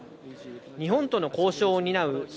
日本との交渉を担うソ